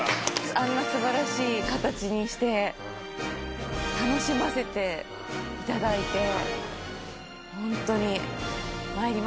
あんな素晴らしい形にして楽しませていただいてホントに。